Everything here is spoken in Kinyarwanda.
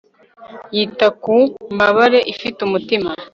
yita ku 'mbabare ifite umutima